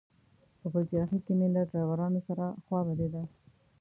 په پلچرخي کې مې له ډریورانو سره خوا بدېده.